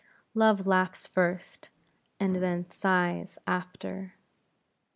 Love laughs first, and then sighs after.